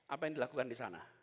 apa yang dilakukan di sana